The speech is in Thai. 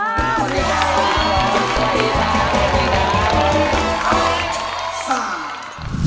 สวัสดีครับสวัสดีครับ